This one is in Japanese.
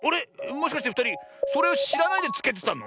もしかしてふたりそれをしらないでつけてたの？